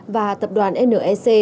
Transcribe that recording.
và tập đoàn nec